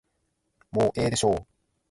もうええでしょう。